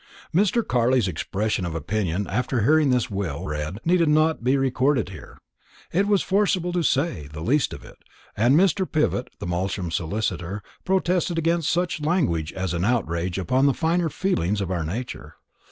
Mr. Carley's expression of opinion after hearing this will read need not be recorded here. It was forcible, to say the least of it; and Mr. Pivott, the Malsham solicitor, protested against such language as an outrage upon the finer feelings of our nature.